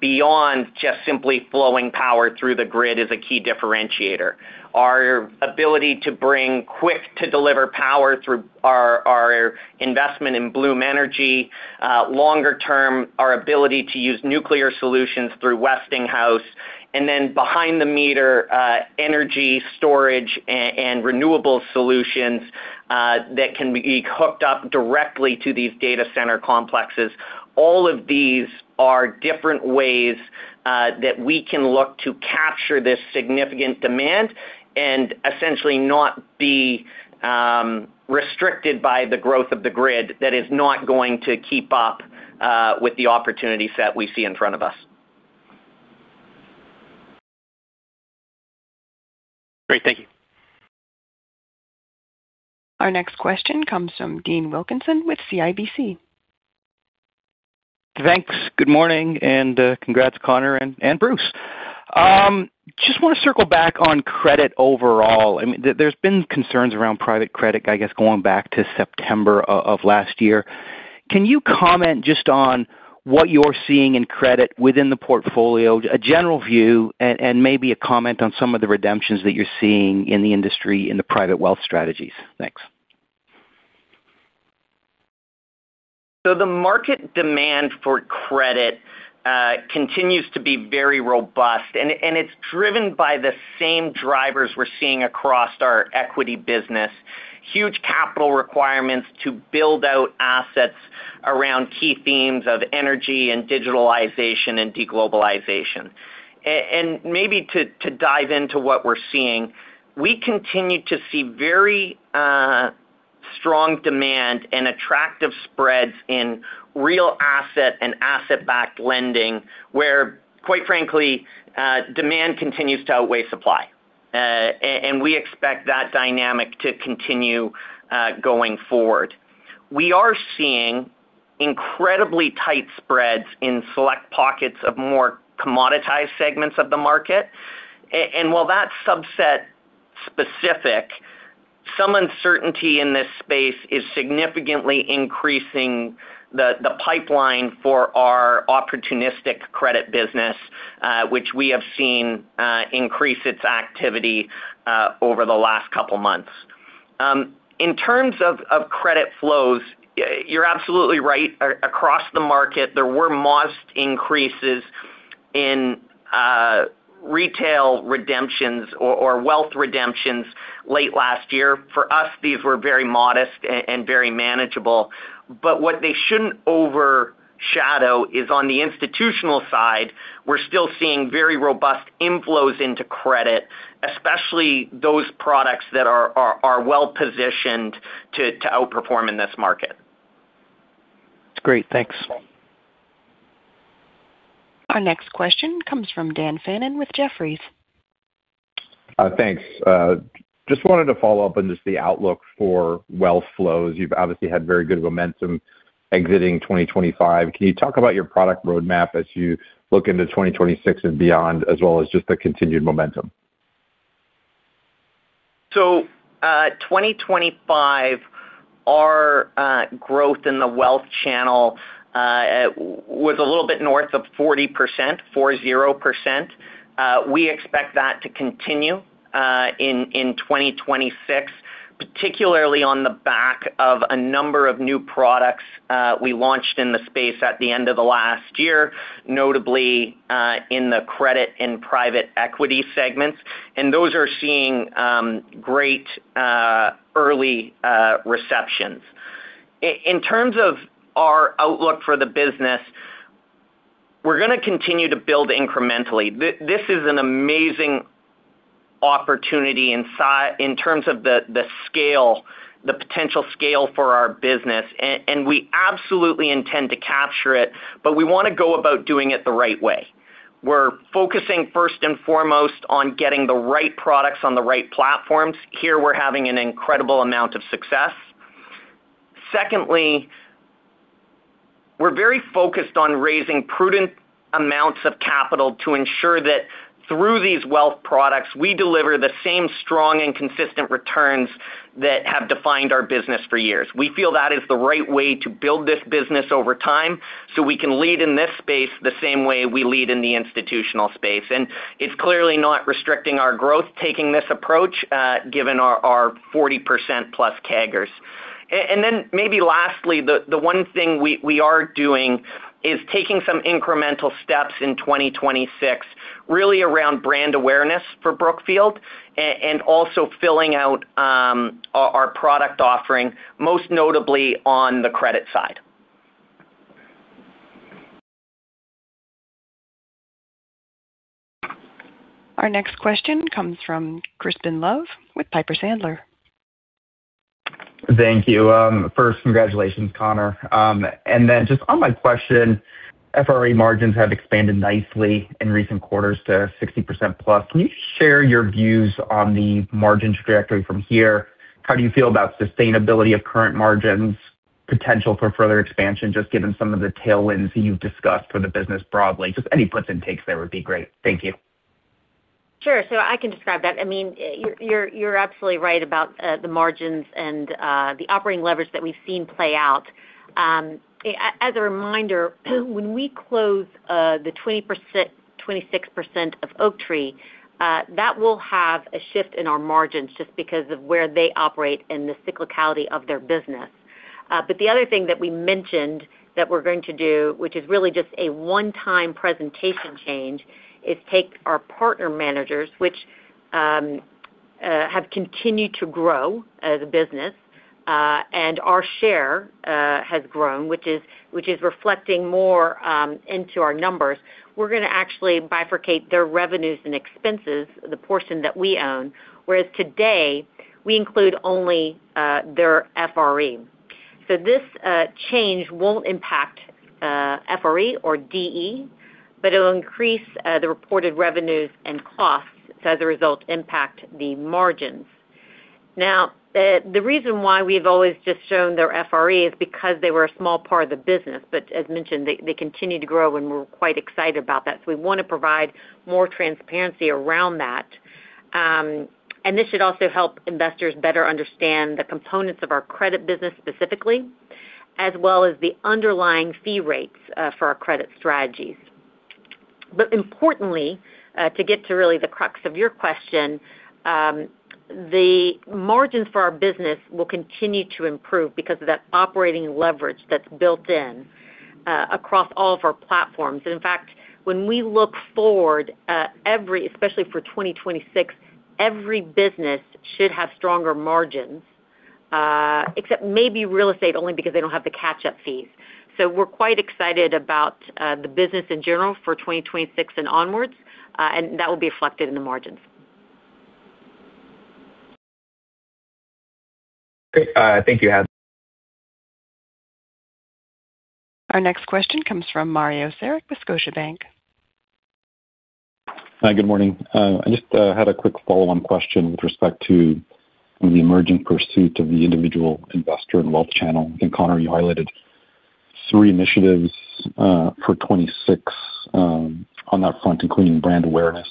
beyond just simply flowing power through the grid is a key differentiator. Our ability to bring quick-to-deliver power through our investment in Bloom Energy, longer term, our ability to use nuclear solutions through Westinghouse, and then behind the meter, energy storage and renewable solutions that can be hooked up directly to these data center complexes. All of these are different ways that we can look to capture this significant demand and essentially not be restricted by the growth of the grid that is not going to keep up with the opportunities that we see in front of us. Great. Thank you. Our next question comes from Dean Wilkinson with CIBC. Thanks. Good morning, and congrats, Conor and Bruce. Just wanna circle back on credit overall. I mean, there's been concerns around private credit, I guess, going back to September of last year. Can you comment just on what you're seeing in credit within the portfolio, a general view, and maybe a comment on some of the redemptions that you're seeing in the industry, in the private wealth strategies? Thanks. So the market demand for credit continues to be very robust, and it's driven by the same drivers we're seeing across our equity business. Huge capital requirements to build out assets around key themes of energy and digitalization and deglobalization. And maybe to dive into what we're seeing, we continue to see very strong demand and attractive spreads in real asset and asset-backed lending, where, quite frankly, demand continues to outweigh supply. And we expect that dynamic to continue going forward. We are seeing incredibly tight spreads in select pockets of more commoditized segments of the market. And while that's subset specific, some uncertainty in this space is significantly increasing the pipeline for our opportunistic credit business, which we have seen increase its activity over the last couple of months. In terms of credit flows, you're absolutely right. Across the market, there were most increases in retail redemptions or wealth redemptions late last year. For us, these were very modest and very manageable. But what they shouldn't overshadow is on the institutional side, we're still seeing very robust inflows into credit, especially those products that are well-positioned to outperform in this market.... That's great. Thanks. Our next question comes from Dan Fannon with Jefferies. Thanks. Just wanted to follow up on just the outlook for wealth flows. You've obviously had very good momentum exiting 2025. Can you talk about your product roadmap as you look into 2026 and beyond, as well as just the continued momentum? So, 2025, our growth in the wealth channel was a little bit north of 40%, 40%. We expect that to continue in 2026, particularly on the back of a number of new products we launched in the space at the end of the last year, notably in the credit and private equity segments. And those are seeing great early receptions. In terms of our outlook for the business, we're gonna continue to build incrementally. This is an amazing opportunity in terms of the scale, the potential scale for our business, and we absolutely intend to capture it, but we wanna go about doing it the right way. We're focusing first and foremost on getting the right products on the right platforms. Here, we're having an incredible amount of success. Secondly, we're very focused on raising prudent amounts of capital to ensure that through these wealth products, we deliver the same strong and consistent returns that have defined our business for years. We feel that is the right way to build this business over time, so we can lead in this space the same way we lead in the institutional space. And it's clearly not restricting our growth, taking this approach, given our 40%+ CAGRs. And then, maybe lastly, the one thing we are doing is taking some incremental steps in 2026, really around brand awareness for Brookfield and also filling out our product offering, most notably on the credit side. Our next question comes from Crispin Love with Piper Sandler. Thank you. First, congratulations, Conor. And then just on my question, FRE margins have expanded nicely in recent quarters to 60%+. Can you share your views on the margins trajectory from here? How do you feel about sustainability of current margins, potential for further expansion, just given some of the tailwinds that you've discussed for the business broadly? Just any puts and takes there would be great. Thank you. Sure. So I can describe that. I mean, you're absolutely right about the margins and the operating leverage that we've seen play out. As a reminder, when we close the 26% of Oaktree, that will have a shift in our margins just because of where they operate and the cyclicality of their business. But the other thing that we mentioned that we're going to do, which is really just a one-time presentation change, is take our partner managers, which have continued to grow as a business, and our share has grown, which is reflecting more into our numbers. We're gonna actually bifurcate their revenues and expenses, the portion that we own, whereas today, we include only their FRE. So this change won't impact FRE or DE, but it'll increase the reported revenues and costs, so as a result, impact the margins. Now, the reason why we've always just shown their FRE is because they were a small part of the business, but as mentioned, they continue to grow, and we're quite excited about that. So we want to provide more transparency around that. And this should also help investors better understand the components of our credit business specifically, as well as the underlying fee rates for our credit strategies. But importantly, to get to really the crux of your question, the margins for our business will continue to improve because of that operating leverage that's built in across all of our platforms. In fact, when we look forward, especially for 2026, every business should have stronger margins, except maybe real estate, only because they don't have the catch-up fees. So we're quite excited about the business in general for 2026 and onwards, and that will be reflected in the margins. Great. Thank you. Our next question comes from Mario Saric with Scotiabank. Hi, good morning. I just had a quick follow-on question with respect to the emerging pursuit of the individual investor and wealth channel. And Conor, you highlighted three initiatives for 26 on that front, including brand awareness.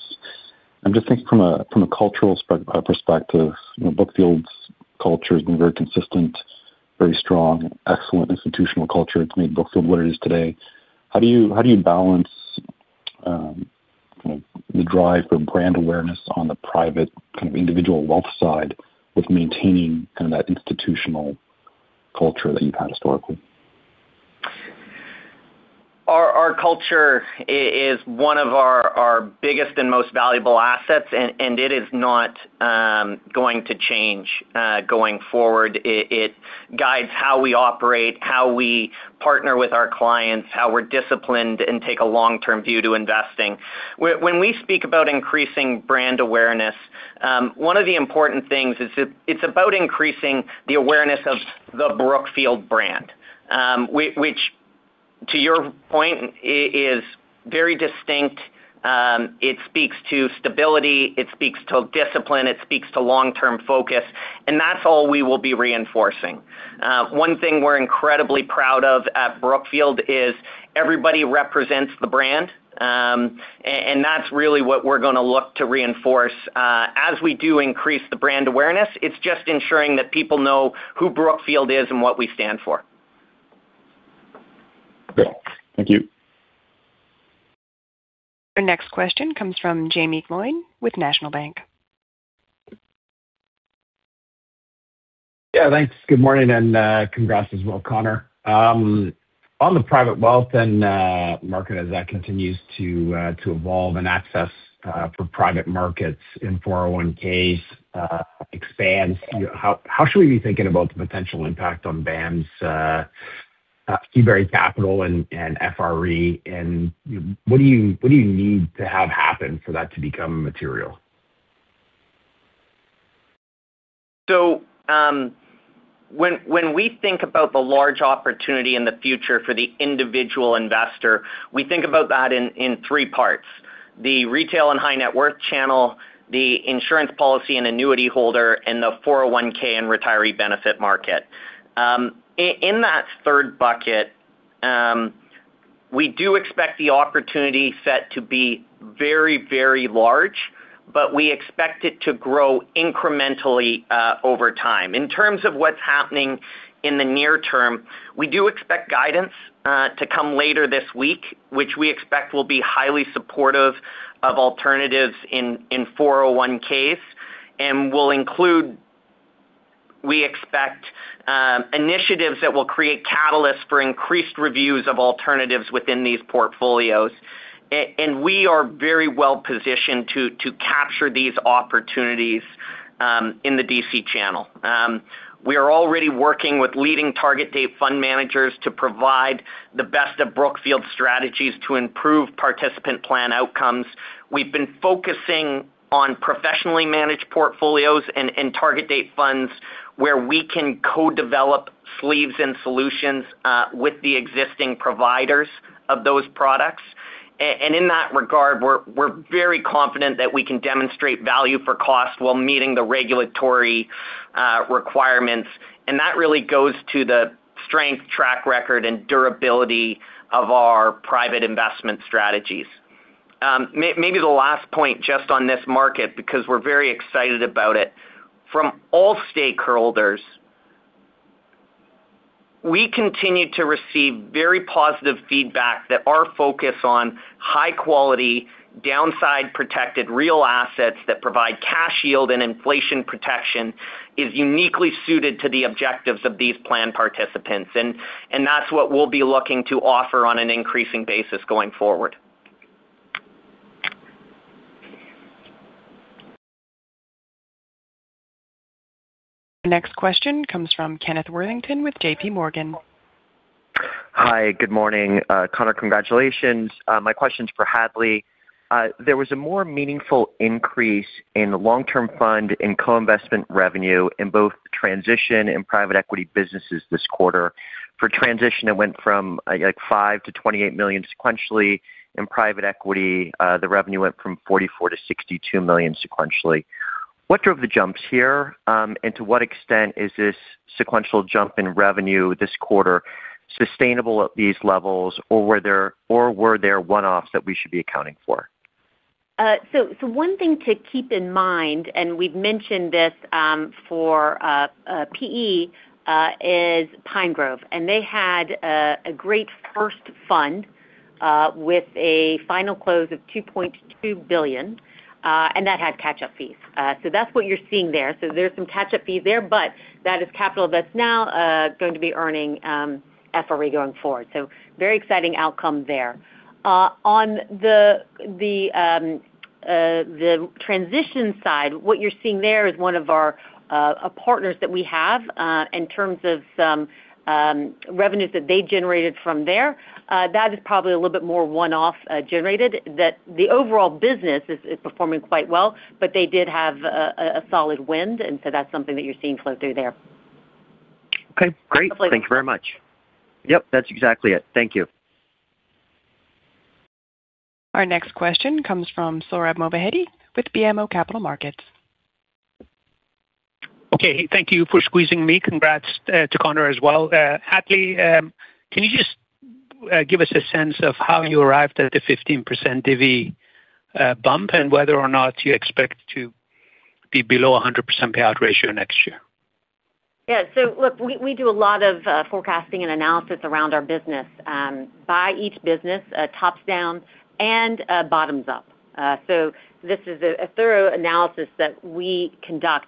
I'm just thinking from a cultural perspective, you know, Brookfield's culture has been very consistent, very strong, excellent institutional culture. It's made Brookfield what it is today. How do you balance kind of the drive for brand awareness on the private, kind of individual wealth side with maintaining kind of that institutional culture that you've had historically? Our culture is one of our biggest and most valuable assets, and it is not going to change going forward. It guides how we operate, how we partner with our clients, how we're disciplined and take a long-term view to investing. When we speak about increasing brand awareness, one of the important things is it's about increasing the awareness of the Brookfield brand, which, to your point, is very distinct. It speaks to stability, it speaks to discipline, it speaks to long-term focus, and that's all we will be reinforcing. One thing we're incredibly proud of at Brookfield is everybody represents the brand. And that's really what we're gonna look to reinforce as we do increase the brand awareness. It's just ensuring that people know who Brookfield is and what we stand for. Great. Thank you. Your next question comes from Jaeme Gloyn with National Bank. Yeah, thanks. Good morning, and congrats as well, Connor. On the private wealth and market, as that continues to evolve and access for private markets in 401ks expands, how should we be thinking about the potential impact on BAM's fee-bearing capital Bam's, Keybury Capital, and FRE? What do you need to have happen for that to become material? So, when we think about the large opportunity in the future for the individual investor, we think about that in three parts: the retail and high net worth channel, the insurance policy and annuity holder, and the 401k and retiree benefit market. In that third bucket, we do expect the opportunity set to be very, very large, but we expect it to grow incrementally over time. In terms of what's happening in the near term, we do expect guidance to come later this week, which we expect will be highly supportive of alternatives in 401ks, and will include, we expect, initiatives that will create catalysts for increased reviews of alternatives within these portfolios. And we are very well positioned to capture these opportunities in the DC channel. We are already working with leading target date fund managers to provide the best of Brookfield strategies to improve participant plan outcomes. We've been focusing on professionally managed portfolios and target date funds where we can co-develop sleeves and solutions with the existing providers of those products. And in that regard, we're very confident that we can demonstrate value for cost while meeting the regulatory requirements, and that really goes to the strength, track record, and durability of our private investment strategies. Maybe the last point just on this market, because we're very excited about it. From all stakeholders, we continue to receive very positive feedback that our focus on high quality, downside protected, real assets that provide cash yield and inflation protection is uniquely suited to the objectives of these plan participants, and that's what we'll be looking to offer on an increasing basis going forward. The next question comes from Kenneth Worthington with J.P. Morgan. Hi, good morning. Connor, congratulations. My question is for Hadley. There was a more meaningful increase in the long-term fund and co-investment revenue in both transition and private equity businesses this quarter. For transition, it went from, like, $5 million-$28 million sequentially. In private equity, the revenue went from $44 million-$62 million sequentially. What drove the jumps here, and to what extent is this sequential jump in revenue this quarter sustainable at these levels, or were there one-offs that we should be accounting for? So one thing to keep in mind, and we've mentioned this, for PE, is Pinegrove, and they had a great first fund with a final close of $2.2 billion, and that had catch-up fees. So that's what you're seeing there. So there's some catch-up fees there, but that is capital that's now going to be earning FRE going forward. So very exciting outcome there. On the transition side, what you're seeing there is one of our partners that we have in terms of some revenues that they generated from there. That is probably a little bit more one-off generated. That the overall business is performing quite well, but they did have a solid wind, and so that's something that you're seeing flow through there. Okay, great. Hopefully. Thank you very much. Yep, that's exactly it. Thank you. Our next question comes from Sohrab Movahedi with BMO Capital Markets. Okay, thank you for squeezing me. Congrats to Connor as well. Hadley, can you just give us a sense of how you arrived at the 15% divvy bump, and whether or not you expect to be below a 100% payout ratio next year? Yeah. So look, we, we do a lot of forecasting and analysis around our business, by each business, top down and bottoms up. So this is a, a thorough analysis that we conduct.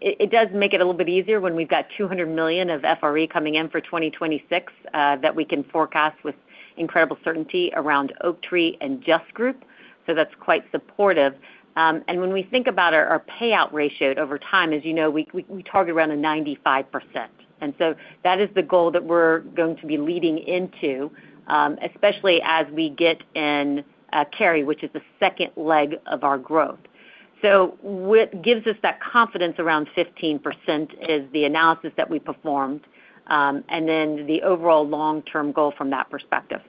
It, it does make it a little bit easier when we've got $200 million of FRE coming in for 2026, that we can forecast with incredible certainty around Oaktree and Just Group. So that's quite supportive. And when we think about our, our payout ratio over time, as you know, we, we, we target around 95%. And so that is the goal that we're going to be leading into, especially as we get in carry, which is the second leg of our growth. What gives us that confidence around 15% is the analysis that we performed, and then the overall long-term goal from that perspective.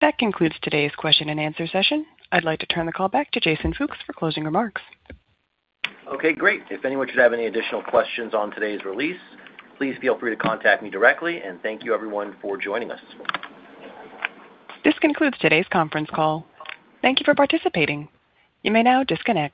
That concludes today's question and answer session. I'd like to turn the call back to Jason Fuchs for closing remarks. Okay, great. If anyone should have any additional questions on today's release, please feel free to contact me directly, and thank you everyone for joining us this morning. This concludes today's conference call. Thank you for participating. You may now disconnect.